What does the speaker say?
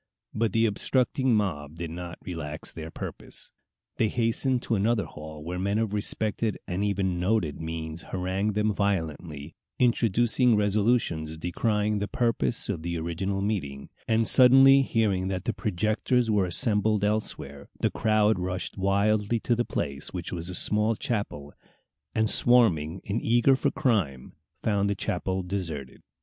But the obstructing mob did not relax their purpose. They hastened to another hall where men of respected and even noted names harangued them violently, introducing resolutions decrying the purpose of the original meeting; and suddenly hearing that the projectors were assembled elsewhere, the crowd rushed wildly to the place, which was a small chapel, and, swarming in eager for crime, found the chapel deserted.